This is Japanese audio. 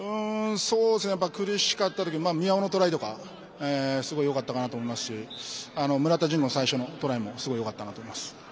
苦しかった時の宮尾のトライとかがすごいよかったと思いますし最初の村田陣悟のトライもよかったと思います。